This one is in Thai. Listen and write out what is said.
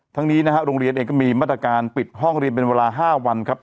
ทั้งนี้นะฮะโรงเรียนเองก็มีมาตรการปิดห้องเรียนเป็นเวลา๕วันครับ